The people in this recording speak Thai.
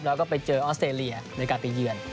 แล้วก็ไปเจอออสเตรเลียในการไปเยือน